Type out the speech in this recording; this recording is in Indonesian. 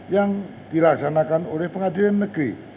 yang dilaksanakan oleh pengadilan negeri